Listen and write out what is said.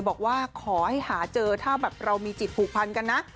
บอกว่าขอให้หาเจอถ้าแบบเรามีจิตผูกพันกันนะ